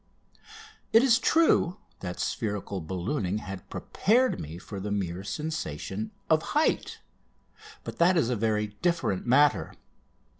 It is true that spherical ballooning had prepared me for the mere sensation of height; but that is a very different matter.